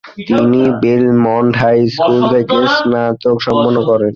তিনি Belmont high school থেকে স্নাতক সম্পন্ন করেন।